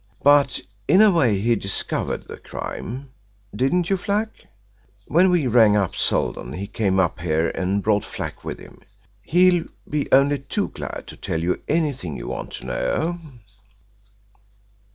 But in a way he discovered the crime. Didn't you, Flack? When we rang up Seldon he came up here and brought Flack with him. He'll be only too glad to tell you anything you want to know."